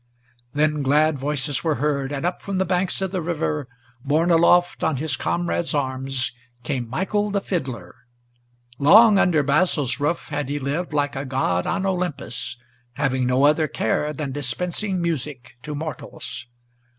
Then glad voices were heard, and up from the banks of the river, Borne aloft on his comrades' arms, came Michael the fiddler. Long under Basil's roof had he lived like a god on Olympus, Having no other care than dispensing music to mortals.